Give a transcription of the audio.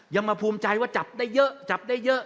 ยังมาภูมิใจว่าจับได้เยอะจับได้เยอะ